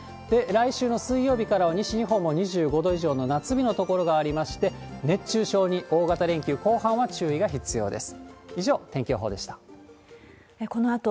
来週の水曜日からは西日本も２５度以上の夏日の所がありまして、熱中症に大型連休後半は注意が必要です。